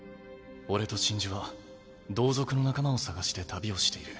俺と真珠は同族の仲間を捜して旅をしている。